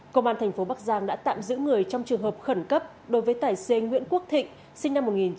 công an thành phố bắc giang đã tạm giữ người trong trường hợp khẩn cấp đối với tài xế nguyễn quốc thịnh sinh năm một nghìn chín trăm tám mươi